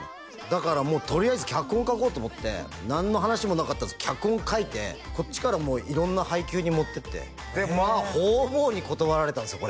だからもうとりあえず脚本書こうと思って何の話もなかったですけど脚本書いてこっちから色んな配給に持っていってでまあ方々に断られたんですよ